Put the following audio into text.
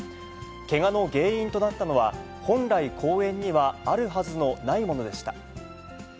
けがの原因となったのは、本来、公園にはあるはずのないものでした。